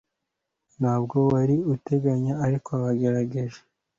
Ntabwo wari utunganye ariko wagerageje